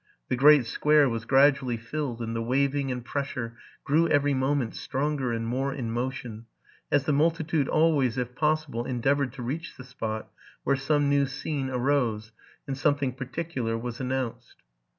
The great square was gradually filled ; and the waving and pressure grew every moment stronger and more in motion, as the multitude always, if possible, en deavored to reach the spot where some new scene arose, and something particular was announced.